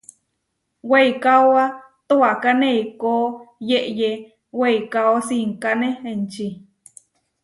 Weikáoba toakáne eikó yeʼyé weikáo sinkáne enči.